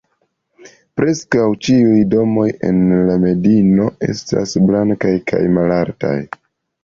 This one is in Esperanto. Preskaŭ ĉiuj domoj en la medino estas blankaj kaj malaltaj.